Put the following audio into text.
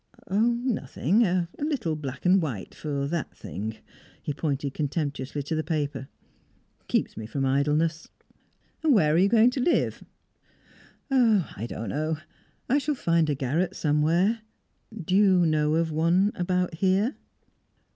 "Oh, nothing. A little black and white for that thing," he pointed contemptuously to the paper. "Keeps me from idleness." "Where are you going to live?" "I don't know. I shall find a garret somewhere. Do you know of one about here?"